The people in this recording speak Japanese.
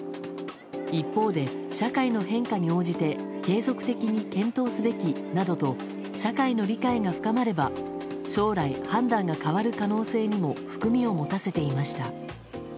一方で、社会の変化に応じて継続的に検討すべきなどと社会の理解が深まれば将来、判断が変わる可能性にも含みを持たせていました。